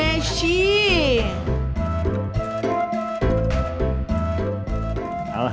alhamdulillah ya pak